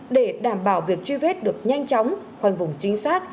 để đảm bảo việc truy vết được nhanh chóng khoanh vùng chính xác